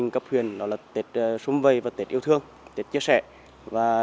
còn ở tại trường á